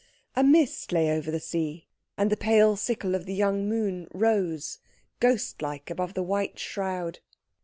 A mist lay over the sea, and the pale sickle of the young moon rose ghost like above the white shroud.